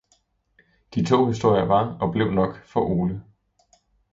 De to historier var og blev nok for Ole.